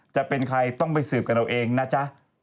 จะเป็นใครต้องไปสืบกันเอาเองนะจ๊ะ